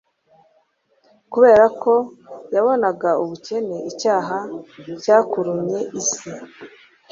kubera ko yabonaga ubukene icyaha cyakurunye isi,